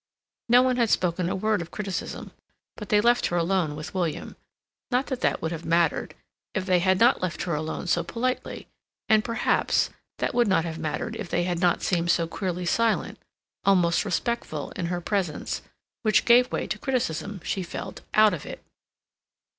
No one had spoken a word of criticism, but they left her alone with William; not that that would have mattered, if they had not left her alone so politely; and, perhaps, that would not have mattered if they had not seemed so queerly silent, almost respectful, in her presence, which gave way to criticism, she felt, out of it.